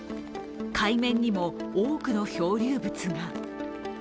海面にも多くの漂流物が。